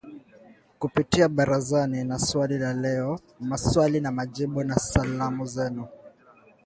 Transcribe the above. kupitia ‘Barazani’ na ‘Swali la Leo’, 'Maswali na Majibu', na 'Salamu Zenu'.